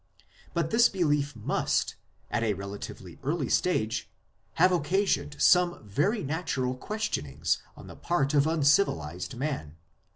But this belief must, at a relatively early stage, have occasioned some very natural question ings on the part of uncivilized man.